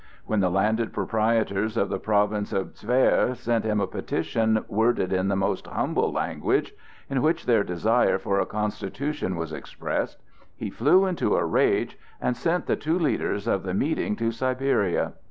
When the landed proprietors of the province of Tver sent him a petition worded in the most humble language, in which their desire for a constitution was expressed, he flew into a rage, and sent the two leaders of the meeting to Siberia.